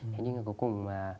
thế nhưng mà cuối cùng